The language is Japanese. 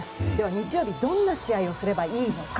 日曜日どんな試合をすればいいのか。